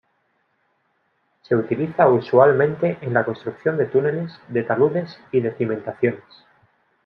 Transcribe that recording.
Se utiliza usualmente en la construcción de túneles, de taludes y de cimentaciones.